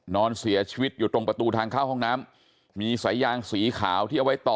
นอนเสียชีวิตอยู่ตรงประตูทางเข้าห้องน้ำมีสายยางสีขาวที่เอาไว้ต่อ